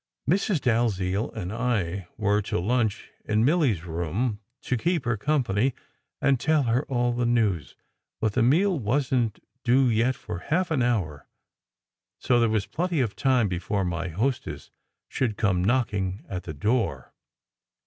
Mrs. Dalziel and I were to lunch in Milly s room, to keep her company and tell her all the news; but the meal wasn t due yet for half an hour, so there was plenty of time before my hostess should come knocking at the door.